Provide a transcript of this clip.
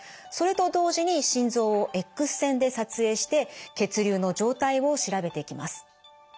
それと同時に心臓をＸ線で撮影して血流の状態を調べていきます。